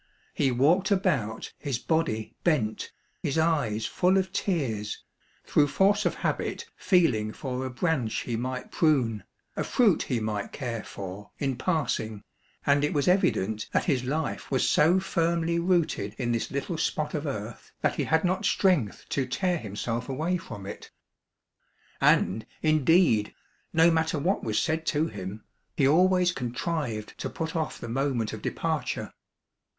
He walked about, his body bent, his eyes full of tears, through force of habit feeling for a branch he might prune, a fruit he might care for, in passing, and it was House for Sale ! 247 evident that his life was so firmly rooted In this little spot of earth that he had not strength to tear himself away from it. And, indeed, no matter what was said to him, he always contrived to put off the moment of departure.